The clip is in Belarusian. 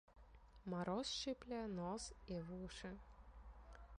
Мароз шчыпле нос і вушы.